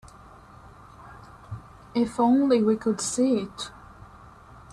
If only we could see it.